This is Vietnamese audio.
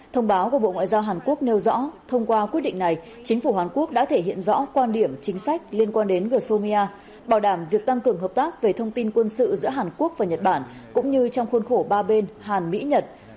thông báo của bộ ngoại giao hàn quốc nêu rõ thông qua quyết định này chính phủ hàn quốc đã thể hiện rõ quan điểm chính sách liên quan đến gsomia bảo đảm việc tăng cường hợp tác về thông tin quân sự giữa hàn quốc và nhật bản cũng như trong khuôn khổ ba bên hàn mỹ nhật